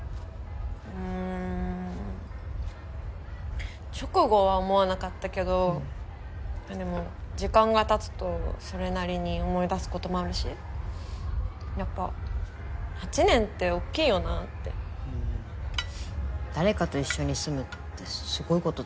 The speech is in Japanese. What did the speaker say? うん直後は思わなかったけどうんでも時間がたつとそれなりに思い出すこともあるしやっぱ８年って大っきいよなって誰かと一緒に住むってすごいことだもんね